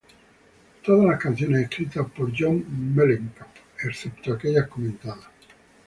Todas las canciones escritas por John Mellencamp, excepto aquellas comentadas.